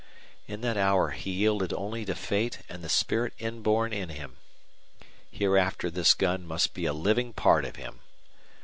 In that hour he yielded only to fate and the spirit inborn in him. Hereafter this gun must be a living part of him.